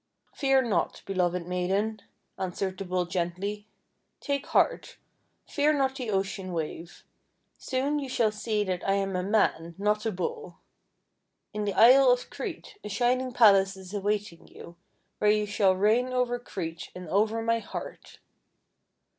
"Fear not, beloved Maiden," answered the Bull gently. 'Take heart! Fear not the ocean wave! Soon you shall see that I am a man, not a Bull. In the Isle of Crete a shining palace is awaiting you, where you shall reign over Crete and over my heart!'